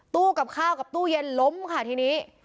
กับข้าวกับตู้เย็นล้มค่ะทีนี้